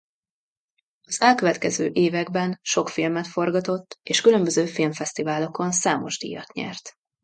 Az elkövetkező években sok filmet forgatott és különböző filmfesztiválokon számos díjat nyert.